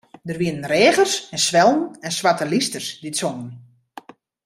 Der wiene reagers en swellen en swarte lysters dy't songen.